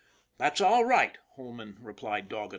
"That's all right," Holman replied doggedly.